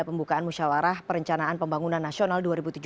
pembukaan musyawarah perencanaan pembangunan nasional dua ribu tujuh belas